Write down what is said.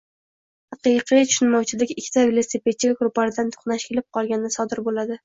Haqiqiy tushunmovchilik - ikkita velosipedchi ro'paradan to'qnash kelib qolganda sodir bo'ladi...